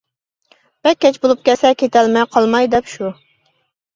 -بەك كەچ بولۇپ كەتسە كېتەلمەي قالماي دەپ شۇ.